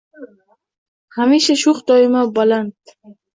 Hamisha sho’x, doimo baland